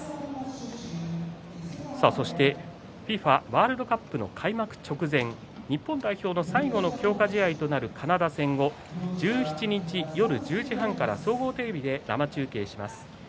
ワールドカップの開幕直前、日本代表の強化試合となるカナダ戦を１７日夜１０時半から総合テレビで生中継します。